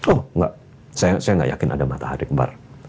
oh enggak saya nggak yakin ada matahari kembar